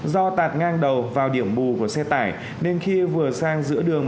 do tạt ngang đầu vào điểm bù của xe tải nên khi vừa sang giữa đường